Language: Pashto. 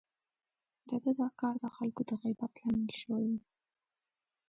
د ده دا کار د خلکو د غيبت لامل شوی و.